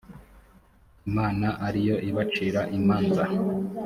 imana ari yo ibacira imanza